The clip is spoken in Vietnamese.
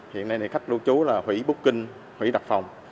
hiện nay khách lưu trú là hủy booking hủy đặt phòng